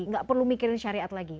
tidak perlu memikirkan syariat lagi